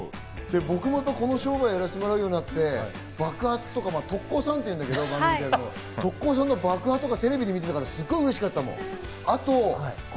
僕もこの商売をやらせてもらうようになって、爆発、特効さんって言うんだけど、テレビで見てたからうれしかったもん。